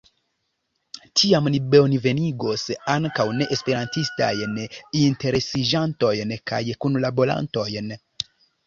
Tiam ni bonvenigos ankaŭ neesperantistajn interesiĝantojn kaj kunlaborantojn.